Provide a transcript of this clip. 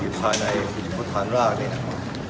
ของการลงทุนต่างกันก็ต้องอยากให้ติดขึ้น